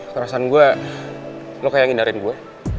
perasaan gue lo kayak ngindarin gue